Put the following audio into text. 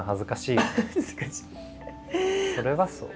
それはそう。